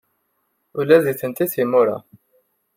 Ula d nitenti d timura.